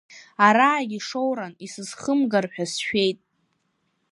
Араагьы шоуран, исызхымгар ҳәа сшәеит.